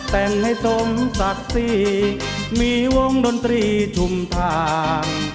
แต่งให้สมศักดิ์ศรีมีวงดนตรีชุมทาง